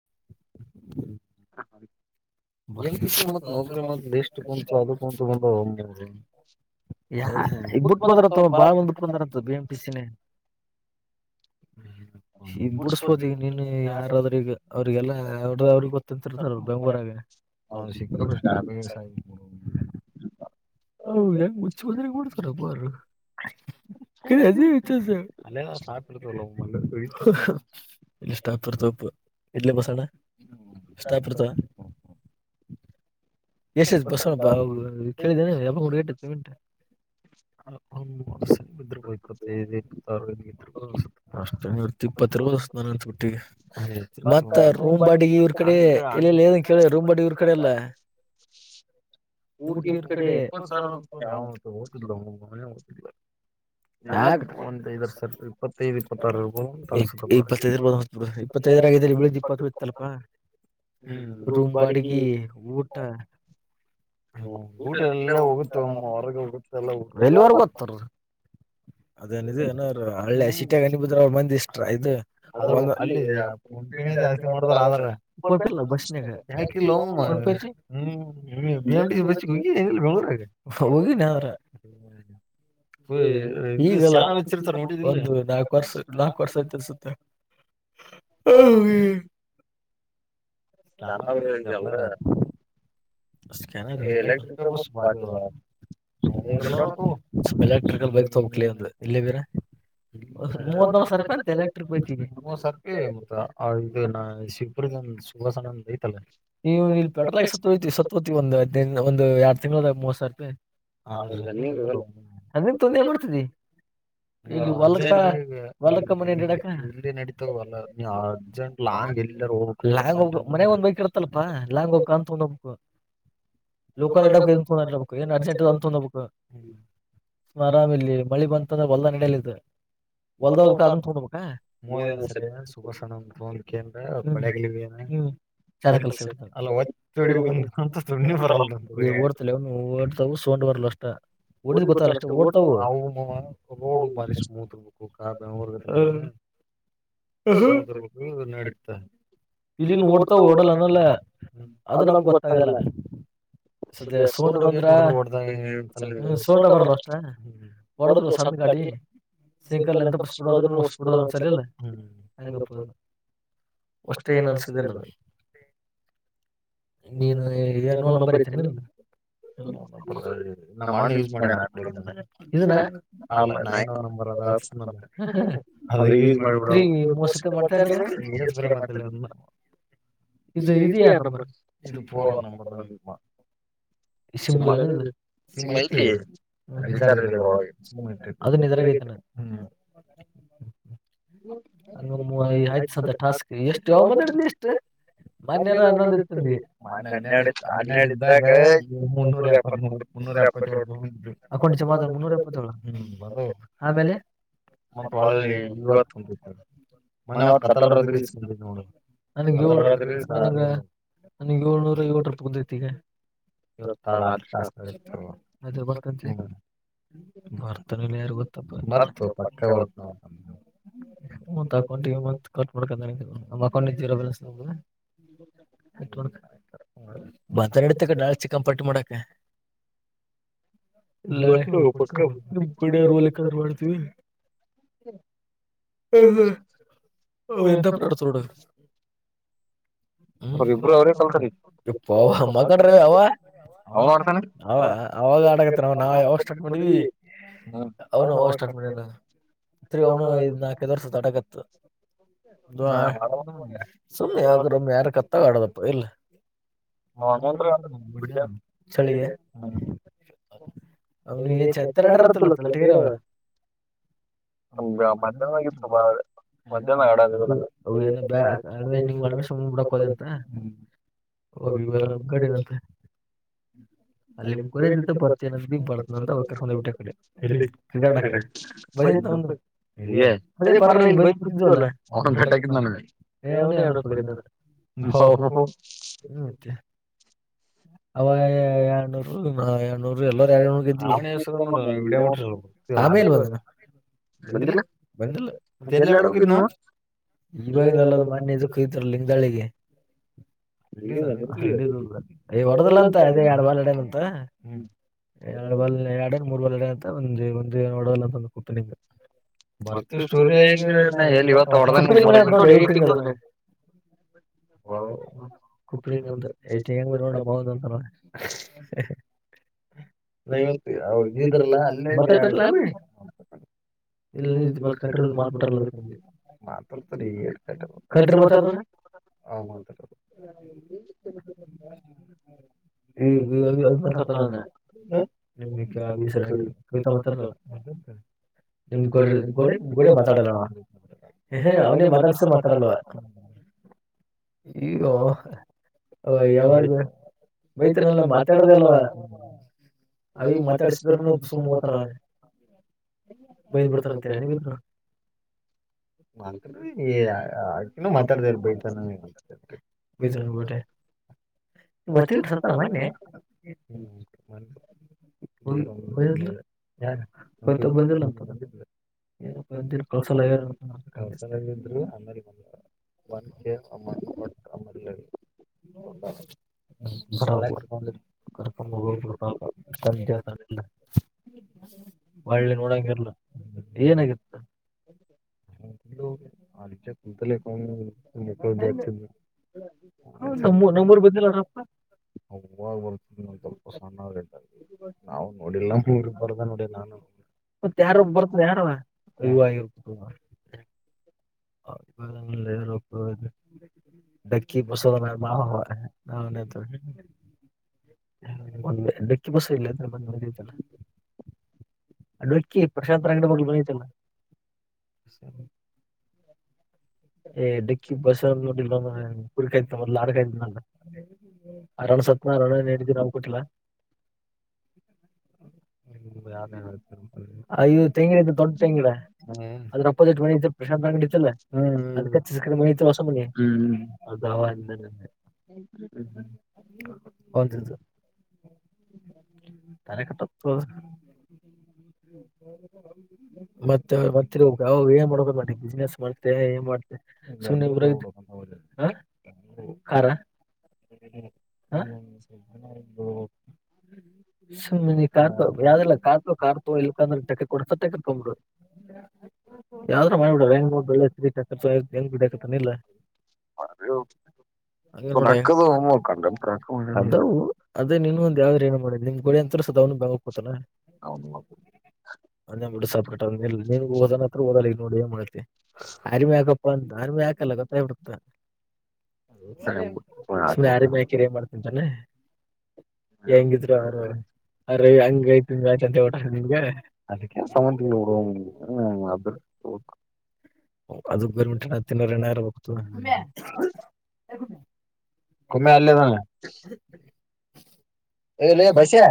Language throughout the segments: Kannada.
ಹ್ಮ್ ಮತ್ ನ್ರ ಮಷ್ಟ ಕುಂತು ಅದು ಕುಂತುಂದ. ಯ ಈಗ್ ಬಿಟ್ಟು ಬಂದಾರತ್ತ ಬಾಳ ಬಂದ್ಬ ಬಿಟ್ಟು ಬಂದಾರತ್ತ ಬಿಎಂಟಿಸಿ ನ್ಯಾಗ [inaudible] ಈಗ ಬಿಡ್ಸ್ಬೋದು ಈಗ ನೀನು ಯಾರಾದ್ರಗ ಅವ್ರಿಗೆಲ್ಲ ಅವರ್ದ ಅವ್ರಿ ಗೊತ್ತಂತಿರ್ತಾರ ಬೆಂಗಳೂರು ಆಗ. ಅವ ಸಿಕ್ಕ ಪಟ್ಟೆ ಟ್ರಾಫಿಕ್ ಆ ಹೌ ಹೆಂಗ್ ಹುಚ್ಚು ಬಂದು ಹೊಡ್ಸ್ತೀರಪ್ಪ ಅ ವಿ ಅಲ್ಲೆಲ್ಲ ಸಾಪಿಲ್ಲ [unintelligible] ಇಲ್ಲಿ ಸ್ಟಾಪುರ್ ತೋಪು ಇಡ್ಲ್ಲಿ ಬಸಡ ಕ [inaudible] ಎಸ್ ಎ ಬಸಪ್ಪ ಕೇಳ ಕೂಡ ಕಟ ಹ ಮಸ ಇಪ್ಪತ್ತ ಇಪ್ಪ ಆ [unintelligible] ಅಷ್ಟ ಇರ್ತಿ ಇಪ್ಪತ್ತರುವಸ ನಾನ ಅನ್ತ್ಬಿಟ್ಟಿಗೆ ಮತ್ತ ರೂಮ್ ಬಾಡಿ ಇವ್ರ ಕಡೆ ಇಲ್ಲಿ ಏ ಕೇಳ ರೂಮ ಬಾಡಿ ಇವ್ರ ಕಡೆ ಎಲ್ಲ ಊಟಿಯರ್ ಕಡೆ ಸರ್ ಅಂತ ಯಾವ [inaudible] ಯಾ ಒಂದದ ಸರ್ ಇಪ್ಪತ್ತೈದು ಇಪ್ಪತ್ತ ಇಪ್ಪ ಇಪ್ಪತ್ತದ ದೀಪತ್ ಇತ್ತಲ್ಪಾ ರೂಮ್ ಬಾಡಗಿ ಊಟ [unintelligible] [inaudible] ಹ್ಮ ಊಟ ಎಲ್ಲ ಹೋಗುತ್ತಮ್ಮ ಹೊರಗ ಹೋಗುತ್ತ ಎಲ್ಲ ಎಲ್ಲಿವರ್ಗ ಓ್ತರ ಅದೇನ ಇದು ಏನೋರು ಹಳ್ಳೆ ಸಿೀಟ ಅನಬಿದ್ರ ಅವರು ಮಂದಿ ಇಷ್ಟ ಇದು [unintelligible] ಜಾಸ್ತಿ ಮಾಡ್ರ ಕೊಲ್ಲ ಬಸ್ನಾಗ ಯಾಕಿ ಹ್ಮ್ ಬಿ ಎಮ್ ಸಿ ಬ ಹೋಗಿ ನ ಬೆಂಗಳುರಗ ಹೋಗಿರ ಹ [inaudible] ಈ ಒಂದು ನಾಕು ವರ್ಷ ನಾಲ್ಕು ವರ್ಷ ಆ ತಿನ್ಸುತ್ತೆ ಹ ಹ್ಮ್ [inaudible] ಚನ್ನಲ್ಲ ಬ ರಲಟ ಬ ಬಾರಿ [unintelligible] ತು ಎಲೆಕ್ಟ್ರಿಕಲ್ ಬೈಕ್ ತಗಕ್ಲಿ ಒಂದು ಇಲ್ಲೇ ಬೀರೆ ಮೂವತ್ ನವತ್ ಸಾವಿ ರೂಪಾಯಿ ಅಂತ ಎಲೆಕ್ಟ್ರಿಕ್ತವಿ ಮೂವತ್ ಸಿ ರೂಪಾಯಿ ಮ ಇದು ಶಿವಪು ಇ ಸಣಂದ ಐತಲ್ಲ ನೀವು ಇಲ್ಲಿ ಪೆಟ್ರೋಲ್ ಒಂದು ಹದನೈದ ದಿನದ್ ಒಂದು ಎರಡ್ ತಿಂಗಳದ ಮೂವ್ ಸಾವಿರ ರೂಪಾಯಿ ಹ ರನ್ನಿಂಗ್ ಆಗಲ್ಲ ಅನ ಅದ್ನ್ ತಂದ ಏನ್ ಮಾಡ್ತದೆ. ಈ ಹೊಲಕ್ಕ ಹೊಲಕ್ಕ ಮನಿ ಅಡ್ಯಾಡಕ್ ಅರ್ಜೆಂಟ್ ಅಂಗಡಿ ನಡತ ನೀ ಅರ್ಜೆಂಟ್ ಲಾ ಹ ಎಲ್ಲರ ಹೋಬಕ್ ಮಗ್ ಒಂದ್ ಬೈಕ್ ಇರತಲ್ಪಾ ಲಾಂಗ್ ಹೋಗಬಕ್ ಅದನ ತಗೊಂದ ಹೋಗ್ಬೇಕು. ಲೋಕಲ್ ಇಡಬೇಕ ಇದನ್ ತಗೊಂಡ್ ಹೋಬಕ್ ಏನ್ ಅರ್ಜೆಂಟ್ ಇದರ ಅದನ ತಗೊಂಡ್ ಅಡ್ಡಾಡಬೇಕು. ಸುಮ ಆರಾಮ ಇಲ್ಲಿ ಮಳಿ ಬಂತಂದ್ರೆ ಹೊಲ್ದ ನಡಲಿದೆ ಒಲ್ದ ಹ್ಬೇಕು ಅದನ್ನ ತಗೊಂಡ್ ಹೋಬಕ್ ಮೋದ್ ಒಂದಸರಿ ಏ ಸುಭಾಷಣ್ಣ ಅಂತಂದ ಕೇನ್ ಮ ಏನ [unintelligible] ಚ ಕೆಲಸ ಬಿರ್ತ ಅಲ್ಲ ಒತ್ತಿ ಹೊಡಿಬೇಕುಂದ್ರ [unintelligible] ಓಡ್ತ ಓಡ್ತ ಲೇ ಸೊಂಡ ಬರಲ್ಲ ಅಷ್ಟ ಡಿದ್ ಗೊತ್ತಲ್ಲ ಅಷ್ಟೇ ಓಡ್ತಾವವುವು ರೋಡು ಬಾರಿ ಸ್ಮೂತ್ ಇರ್ಬೇಕು ಕಾಬ ನಡತಾ ಇಲ್ಲಿನ್ ಓಡ್ತಾವ ಓಡಲ್ಲ ಅನಲ್ಲ ಅದು ನಮ್ಗ್ ಗೊತ್ತಾಗಲ್ಲ ಸದ ಸೋಂಡ ಬಂದ್ರ ಸೋಂಡ ಬರರು ಅಷ್ಟ ಹೊಡದ್ರುಣ ಗಾಡಿ ಸಂಕಲ್ ಎಂತ ಪಸ್ಬಡ್ರರುಸ್ಬಡ ಒಂದಸಲ ಇಲ್ಲ ಹಂಗಪ್ಪ ಅಷ್ಟೇ ಏನ್ ಅನ್ಸುದಿಲ್ಲವ ನೀನು ನೋ ನಂಬರ್ ಇಐತೀನ ಹ್ಮ ಮಣ್ಣ ಯ ಮಾಡ ನಾಲ್ ಇದ ಅಲ್ಲ ನ ಇನ್ ನ [unintelligible] ಮಾಡೋ ಮಾಡ್ ಇದು ಇದಾ ನಂಬರ್ ಇದು ಪರೋ ನಂಬರ್ ಸಿಮ್ ಇಲ್ಲ ಸಿಮ್ ಐತಿಚಾರ್ಜ್ ಇ ಅದ ನಿಜರಾಗಐತಾನ [unintelligible] ಹ್ಮ್ ಹಮ್ಮ ಆಯ್ತ್ ಸ ಟಾಸ್ಕ್ ಎಷ್ಟು ಯಾವ ಮಾತಾಡ ಎಷ್ಟು ಮನ್ಯಾರ ಅನ್ನೊಂದ ಇತ್ತುಂದ ಮಣ್ಣ ಹನ್ನೆರಡ್ ಹನ್ನೆಡ ಇದ್ದಾಗ ಮುನ್ನೂರ ಎಪ್ಪತ್ ಮೂರು ಮುನ್ನೂರ ಎಪ್ಪತ್ತೇಳು ಮ ನೂರ ಎಪ್ಪತ್ತ ಹ್ಮ ಆಮೇಲೆ ಮ ಅತ್ತು ಹ ಸ [unintelligible] ಮನೆ ಅವತ್ ಕತ್ತಲ್ ರಾತ್ರಿ ನನಗ್ ಏಳ್ನೂರ ಏಳ ರ ಬಂದಐತಿಗ ಇ ಶಾಸ್ತ್ರ ಇ ಮ ಬ.. ಬರ್ತಾನಲ್ಲ ಯಾರು ಗೊತ್ತ ಮರ್ತ ಪಕ್ಕಾ ಬರ್ತ ಮತ್ತ ಅಕೌಂಟಿಗೆ ಮತ್ ಕಟ್ ಮಾಡ್ಕೊಂಡ ನಮ್ಮ ಅಕೌಂಟ್ ಇದ್ದೀರೋ ಬ್ಯಾಲನ್ಸ್ ನ ಗ [unintelligible] ಬತ್ತ ಇಡತ ಕ ಡಾಳಿ ಚಿಕ್ಕನ್ ಪಟ್ಟಿ ಮಾಡಕ ಎಲ್ಲಡ ಒಕ್ಕ ಮಾಡ್ತೀವಿ ಹ ಎಂತ ಪ್ರಾಣತನೋಡು ಹ್ಮ ಇ ಅಮ್ಮ ಕಡ್ರ ಅವ ಅವತ ಅವ ಅವಾಗ ಆಡಕತ್ ನಾವ್ ಯಾವಾಗ ಸ್ಟಾರ್ಟ್ ಮಾಡಿವವಿ ಅವ್ನು ಸ್ಟಾರ್ಟ್ ಮಾಡತ್ ಅವ್ ನಾಲ್ಕದ್ ವರ್ಷ ಸಾರಟ ಆಕತ್ ಸುಮ್ಮನೆ ಯ್ರ ಯಾರ ಕತ್ತ ಕಡದಪ್ಪ ಇಲ್ಲ ಹ ಮತ್ರ ಚಳಿಗೆ ಅವನು ತ ಲಟರ್ತ್ತಲ್ಲ ತ ಲಟಗರ ಅವ ಬ್ರಹ ಸಬ ಮಾಡಏ ನಿ ಒ ಬಿಡಕ್ ಹದೆಂತ ಹೋಗ ಗಡಿಂತ ಅಲ್ಲಿರಿ ಬರ್ತನ ಬರ್ತ ಅಂತ್ ಬಿಟ್ಟ ಕಡೆ ಇಲ್ಲೀ ಅದೇ ಬಲ್ಲ ಅವ ಬೆಟ ಹ ಅವನ ಯ ಸ ಹತ್ತೆ [unintelligible] ಅವ ಎಣನೂರು ಎಣರು ಎಲ್ಲ ಯೋಡಡ ಆಮೇ ಇಲ್ವಂದ ಬಂದಿಲ್ಲ ಬಂದಿಲ್ಲ ಮತ್ತೆ ಎಲ್ಲಾಡ ಹೋಗ್ ನ ಈವಾಗಿನ ಎಲ್ಲ ಮನೆೆದುಕ್ಕ ಇದ್ರ ಲಿಂಗದಾಳಿಗೆ ಹೊರದಲ್ಲ ಅಂತ ಅೇ ಎರಡ್ ಬಲ್ ಎಡಂತ ಹ್ಮ ಎರಡ್ ಬಲ್ ಎರಡ ಮೂರ್ ಬಲ್ ಎ ಅಂತ ಒಂದ ಒಂದ ನೋಡಲ್ಲ ಅಂತಂದು ಕೊಟ್ಟು ನಿಂಗ ಮರ್ತ ಸುರೇ್ ನ ಎ ಇವತ್ತು ಹೊ ಎಂಗ್ ಅದ ಹೌ ಅ ನವತ್ ಅವಗಿದ್ರಲ್ಲ ಅಲ್ಲ ಇಲ್ಲ ನಿ ಕಂಟ ಮಾತ ಬಿಿಟ್ಟಾರಲ್ಲಮಗೆ ಮಾತಾಡ್ತ ಈಗ ಕಟ್ರ ಮಾತಾಡ್ತಾನ ಹ ಮಾತಾಡದು ಈ ಅಡ್ತಾರ ಅ ಹ ನಿಿಕ ಬಸ ಕವಿತಾ ಮಾತ್ತ ನಿಮ್ ಕಡ ನಿ್ ಕಡೆ ನಿಮ್ ಕಡೆ ಮಾತಾಡೋಲ್ಲ ಹ ಅವನೇ ಮಾತಾಡ್ಸ ಮಾತಾಡಲ್ವ ಈೋ ಅವ ಯಾವಾಗ ಬೈತ್ನಲ್ಲ ಮಾತಾಡುದ ಅಲ್ಲವಾ ಅ ಮಾತಾಡಿಸಿದ್ರನು ಸುತಾನ ಬೈದ್ ಬಿಡ್ತಾನಂತೇನೆ ನೀ ಬ ಬಿಡ ಮಾತಾಡ ಆಕಿನ ಮಾತಾಡ್ದಲ್ ಬೇ ಬೆಜ ಬ ಬರ್ತ್ತ ಸತ್ತ ಮೆ ಯಾರ ಹತ ಬಂದಲ್ಲ ಬಂದಿರ ಕಳಸಾಲ್ಯ ಕಳಸಾಲ್ರು ಅ ಬ ಅಮನ್ ಬಟ್ ಅಮರ್ಲ್ಲ ಬರ ಕಕೊಂಡ ಒಳ್ಳೆ ನೋಡಾಗಿರ್ಲ್ಲ ಏನಾಗಿತ್ತ ಆಚ ಕುಂತಲ್ಲಕ ೂ ಬ ಹ್ಮ ತಪ ಸಣ್ಣ ನಾವು ನೋಡಿಲ್ಲ ಬರ್ದ ನೋಡಿ ನಾನು ತಾರಬ್ ಬರ್ತ ಯಾರ ಹವಲ್ಲ ಡಕ್ಕಿ ಪಸೋ ತ ನವ ನ ಮ ಡಕಿ ಬಸ ತ ಮಂದ ಕ್ಕಿ ಪ್ರಶಾಂತ ರಂಗದ ಮಗ್ ಬೆರತಲ್ಲ ಏ ಡಕ್ಕಿ ಬಸ ಕುೂರಿಕಾಯತ ಮ ಲಾರ ಕಾಯತಲ್ಲ ಅರರಣ ಸತ್ನ ಅರಣ ಎಡಿ ನಾವು ಕೊಟ್ಟಲ ಯ ಇದು ತಂಗಳ ದೊಡ್ಡ ತಂಗಳ ಅದ್ರ ಅಪೋಸಿಟ್ ಮ ಪ್ರಶಾಂತ ಅಂಗಡತ್ತಲ್ಲ ಅದ ಕ ಮ ಹೊಸ ಮನಿ ಅ [inaudible] ಹೌದುದು ತ ಕತ್ತ ಮತ್ತೆ ಮತ್ತಿ ಏನ್ ಮಾಡ್ಬೋದು ಮಾಡಿ ಬಿಸ್ಿನನೆಸ್ ಮಾಡ್ತೆ ಏನ್ ಮಾಡ್ತೆ ಸುಮ್ಮನೆ ಊರ ರ ಸುಮ್ ನೀ ಕಾರ್ತ ಯಾವ್ದಲ್ಲ ಕಾರ್ತೋ ಕಾರ್ತೋ ಇಲ್ಕಂದ್ರೆ ಟೆಟ್ ಕೊಡ್ಸ ಟಕಟ್ ತೊಂಬು ಯಾವ್ದ್ರ ಮಾಡ್ಬ ಬಿಡಲ್ಲ ಹೆಂಗ ಬೆಳ್ಳೆ ಸಿರಿಕ ಹೆಂಗ್ ಬಿಡಿಾಕತ್ತ ಇಿಲ್ಲಲ್ಲ ಹ ಅದ ಅದೇ ನೀನ್ ಒಂದ ಯಾವ್ರ ಏನ ಮಾಡ ಗೋಡಿ ಅಂತ ಸದ ಅವನು ಬ ಹೋಗತಾನನು ಅಂದ ಬಿ ಸಪೇಟ್ನ್ಗ ಹೋದನ ಹತ್ರ ಹದ ನೋಡಿ ಏ ಮಾಡ ಆರ್ಮಿ ಹಾಕಪ್ಪ ಅಂತ ಆರ್ಮಿ ಹಾಕಲ್ಲ ಗೊತ್ತಾಯ್ಬಿಡ್ತ ಸುಮ ಯಾರ ಮ ಕಿರಯ ಮಾಡ್ತಂತಾನೆ ಹೆಂಗಿದ ಅವರ ಅ್ರ ಹಂಗ ಐತ ಚಟ ಹ ಅ ಅದ ಬರ್ಬಿಂಟ ತಿನ್ನವಾರ ಎಣ್ಣಾರ ಬತ ಕುಮ್ಮ ಅಲ್ಲದ ಲ್ಲ ಭೈ ಚ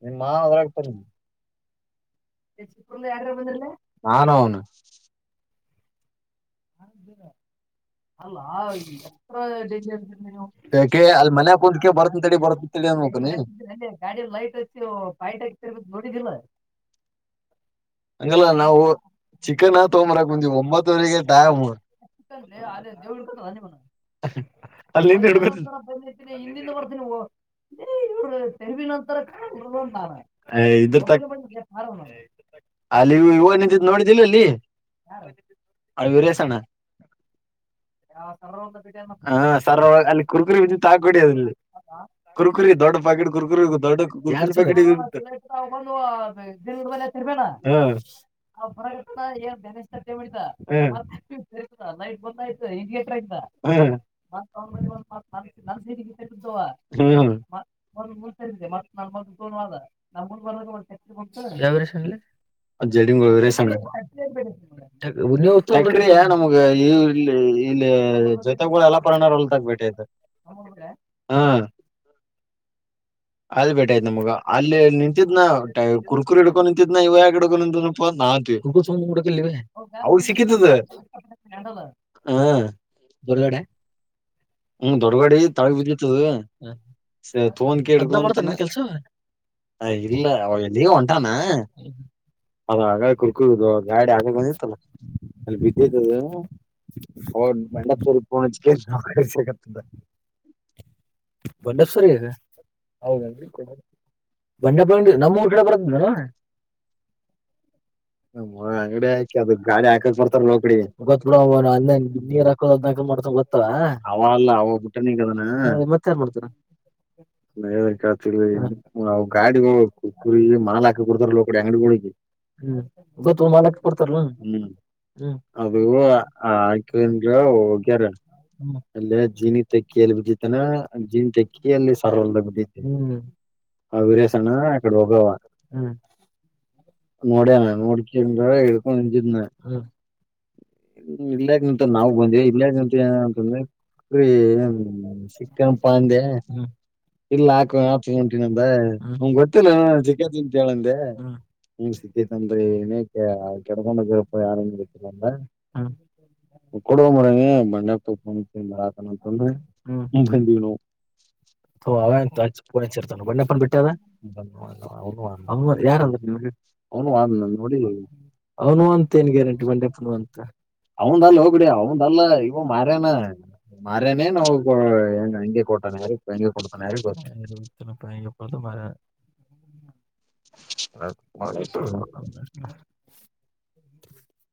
ನಿ ಮಾ ಹೊರಗೆ ತಂದ ನಾನು ಅವನು ಹಾ್ದರ ಅಾೆ ಅಲ್ಲಿ ಮನ್ ಕು ಬರ್ತ ಬರ್ ಗಾಡಿಯ ಲೈಟ್ ಹಚ್ಚಿ ಪಾಯಟ್ಕಿ ತರ್ಬೇಕು ನೋಡಿದ್ದಿಲ್ಲ ಹಂಗಲ್ಲ ನಾವು ಚಿಕನ್ ತೊಂಬ್ರಕ್ ಬಂದೀವಿ ಒಂಬತ್ತುವರೆಗೆ ಟೈಮ್ ಲ್ಲಿಿ ಇಿಂದ ಬರ್ತಿ ತಹವಿ ನಂತರ ಕ ಉ ನಾನ ಅಲ್ಲಿ ಇವ ನಿಂತಿದ್ದ್ ನೋಡಿದಿಲ್ಲ ಅಲ್ಲಿ ಅ ವಿರಾಸಣ ಹ ಸರ ಅಲ್ಲಿ ಕುರ್ಕುರಿ ಬು ತಾಕಡಿ ಅದಲ್ಲಿ ಕುರ್ಕುರಿ ದೊಡ್ಡ ಡ್ ಕುರ್ಕುರಿ ಹ ಹ ಬರ ಎ ಬತಿತ ನೈಟ್ ಬಂದಯ್ತ ಇಂಡಟ ಮತ್ತ ನ ಮೊ ನಂದ ಬ ಯಾವರ ಶನಲಿ ಅ್ಜಡಿ ಬರೆಮ ಇಲ್ಲಿ ಇಲ್ಲಿ ಜೊತೆಗೆ ಎಲ್ಲ ಪ್ರಾಣ ತಗದುಬಿಟ್ಟದೆ ಹಾ ಅಲ್ ಬಿೇಟಾಯ್ತು ನಮಗ ಅಲ್ಲಿ ನಿಂತಿದ್ ನ ಕುಡ್ಕುರು ಹ ಇಡ್ಕೊಂಡು ನಿಂತತ್ನ ಇವ ಯಕ ಹಡ್ಕೊಂಡು ನಿಂತನಪ್ಪ ನಾ ಹಡಕಲ್ಿವ ಅವ್ಳ ಸಿಿಕೇತದ [unintelligible] ಹಾ ಬರಗಡೆ ಹ್ಮ ದೊಡ್ಗಾಡಿ ತಳಗ ಬಿದ್ದತದ ತೋನ್ ಕ ಕೆ ಇಲ್ಲ ಅವ [unintelligible] ಇವ ಹೊಂಟಾನ ಅ ಆಗ ಕುರ್ಕಡದು ಗಾಡಿ ಆಗ ಬಂದಿತ್ತಲ್ಲ ಹ ಮಂಡಪುಣಗಿಂದ [unintelligible] ಬಡಪ್ಸವರಿ ಹ ಬಂಡೆ ಬಂಗ ನಮ್ಮೂಊರ್ ಕಡೆ ಬರಂತದಾನ ನಮ್ ಅಂಗಡಿ ಹಾಕಿ ಅದು ಗಾಡಿ ಹಾಕಕ್ ಬರ್ತಾರಲ್ಲ ಬಡಿಗೆ ಗೊತ್ಬ್ರ ಅವನು ಅಂದ ನೀರ್ ಹಾಕುದಕ ಮಾಡ್ತ ಗೊತ್ತ ಅವ ಅಲ್ಲ ಅವಟ್ಟ ರ್ [unintelligible] ಮಾಡ್ತರ ನ ಕೇಳ್ತವು [unintelligible] ಗಾಡಿಗಳು ಮಾಲ್ ಹಾಕ ಬರ್ದಾರಲ್ಲ ಕಡೆ ಅಂಗಡಿಗಳಿಗೆ ಹ್ಮ ತು ಮಾಲ ಪಡ್ತಾರೆ ಹ್ಮ ಅದು ಆಕಿಂದ ಹೋಗ್ಯಾರ ಹ್ಮ ಅಲ್ಲೇ ಜೀನಿ ತಕ್ಕಿಯಲ್ಲಿ ಬಿದ್ದತಲ ಜಿಂತಕ್ಕಿ ಎಲ್ಲಿ ಸರಲ್ದಗದೈತಿ ಆ ವಿರೇಶ ಅ್ಣ ಅಕಡೆ ಹೋಗವ ನೋಡ್ಯಾನ ನೋಡ್ತಂದ ಹೇಳ್ಕೊಂಡ ನಿಂತಿದನ ಹ್ಮ ಇಲ್ಯಕ್ ನಿಂತ ನಾವ ಬಂದಿವಿ ಇಲ್ಯಾಗ ನಿಂತ ಏನಂತಂದ್ರೆ ಪಾಂದೆ [unintelligible] ಇಲ್ಲ ಹಾಕ ಆಚೆ ಹೊಂಟಿನಂದ ಹಂಗ ಗೊತ್ತಿಲ್ಲ ಚಿಕ್ಕ ತಿಂತ ಹೇಳಂದೆ ಹ್ಮ ಸಿದ್ದಿ ತಂದರಿ ಏಕ ಕೆಡ್ಕೊಂಡೋಗರಪ್ಪ ಯಾರಂಗ ಇತ್ತಿಲ್ಲ ಅಂದ ಕೊಡವ ಮರ ಮಂಡನಜ [unintelligible] ಓ ಅವರ್ತ ಬಣ್ಣೆಪ್ಪನ್ ಬಿಟ್ಟ [inaudible] ಯಾರ ಅವನು ಅದಾನು ಇಲ್ಲಿ ಅವನು ಅಂತ ಏನ್ ಗ್ಯಾರಂಟಿ ಮಂಡಪ್ನು [unintelligible] ಅಂತ ಅವಂದ ಅಲ್ಲ ಹೋಗಬಡಿ ಅವಂದ ಅಲ್ಲ ಇವ ಮಾರ್ಯನ ಮಾರ್ಯನೇ ನ ಹ ಕೊಟ್ಟನೆ ಯಾರಿಗ್ ನನಗೆ ಕೊಡ್ತನೆ ಯಾರಿಗೆ ಗೊತ್ತು ಹ ಕೊತ ಮ [inaudible]